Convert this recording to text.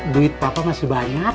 duit papa masih banyak